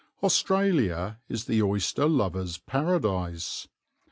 Australia is the oyster lover's paradise.